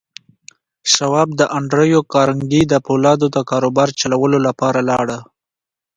شواب د انډريو کارنګي د پولادو د کاروبار چلولو لپاره لاړ.